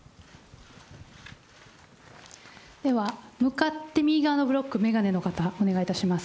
では向かって右側のブロック、眼鏡の方、お願いいたします。